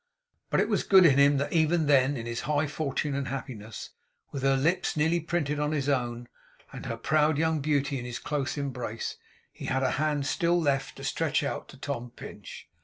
But it was good in him that even then, in his high fortune and happiness, with her lips nearly printed on his own, and her proud young beauty in his close embrace, he had a hand still left to stretch out to Tom Pinch.